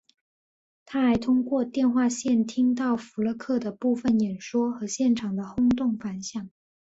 他还通过电话线听到福勒克的部分演说和现场的轰动反响。